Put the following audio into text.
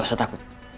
gak usah takut